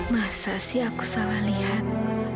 masa sih aku salah lihat